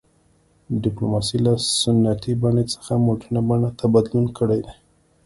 ډیپلوماسي له سنتي بڼې څخه مډرنې بڼې ته بدلون کړی دی